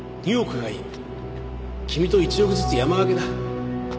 君と１億ずつ山分けだ。